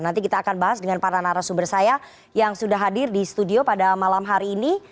nanti kita akan bahas dengan para narasumber saya yang sudah hadir di studio pada malam hari ini